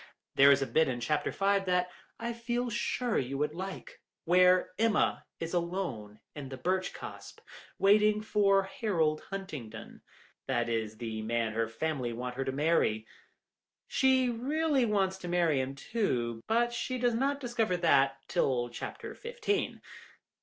There is a bit in chapter five that I feel sure you would like, where Emma is alone in the birch copse waiting for Harold Huntingdon—that is the man her family want her to marry. She really wants to marry him, too, but she does not discover that till chapter fifteen.